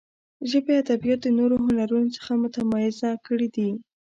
ژبې ادبیات د نورو هنرونو څخه متمایزه کړي دي.